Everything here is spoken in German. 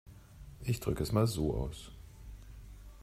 Ich drücke es mal so aus.